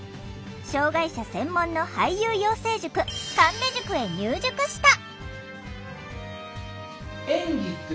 障害者専門の俳優養成塾神戸塾へ入塾した。